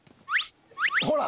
ほら！